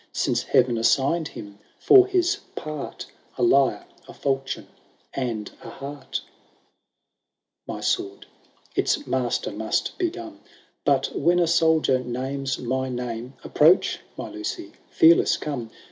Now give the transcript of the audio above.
Since Heaven assigned him, for his part A Ijrre, a fklchion, and a heart ? VI. My sword ^its master must be dumb But, when a soldier names my name, = Approach, my Lucy ! fearless come.